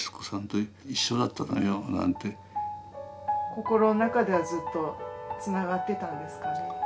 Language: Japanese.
心の中ではずっとつながってたんですかね。